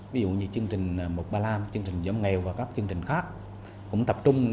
ví dụ như chương trình một ba lam chương trình giám nghèo và các chương trình khác cũng tập trung